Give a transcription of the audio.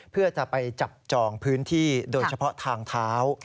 เพื่อจะไปจับจองพื้นที่โดยเฉพาะทางเท้า